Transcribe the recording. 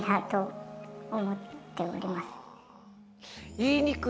言いにくい。